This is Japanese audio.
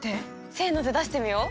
せので出してみよう。